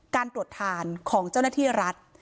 การตรวจทานของเจ้าหน้าที่รัฐ